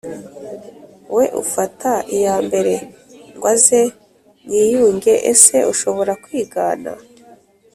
we ufata iya mbere ngo aze mwiyunge Ese ushobora kwigana